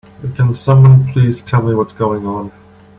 Can someone please tell me what's going on?